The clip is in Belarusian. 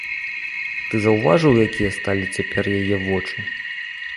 Ты заўважыў, якія сталі цяпер яе вочы?